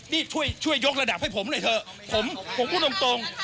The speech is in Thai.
นี่ช่วยยกระดับให้ผมหน่อยเถอะผมผมพูดตรงโอ้โหนี่